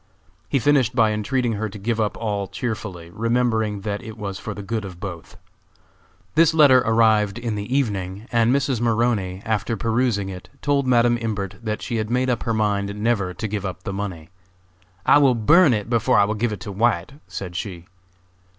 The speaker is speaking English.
He finished by entreating her to give up all cheerfully, remembering that it was for the good of both. This letter arrived in the evening, and Mrs. Maroney, after perusing it, told Madam Imbert that she had made up her mind never to give up the money. "I will burn it before I will give it to White," said she.